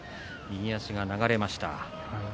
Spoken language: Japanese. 右足が流れました。